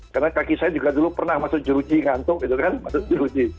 karena kaki saya juga dulu pernah masuk jeruji ngantuk gitu kan masuk jeruji